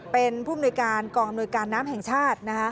เป็นผู้มนุยการกองอำนวยการน้ำแห่งชาติ